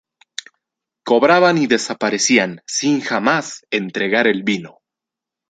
Cobraban y desaparecían sin jamás entregar el vino.